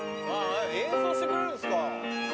演奏してくれるんですか。